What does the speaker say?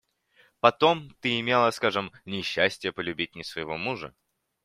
Потом ты имела, скажем, несчастие полюбить не своего мужа.